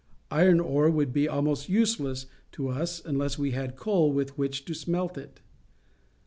Iron ore would be almost useless to us unless we had coal with which to smelt it.